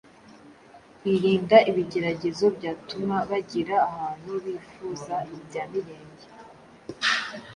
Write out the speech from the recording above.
Birinda ibigeragezo byatuma bagera ahantu bifuza ibya mirenge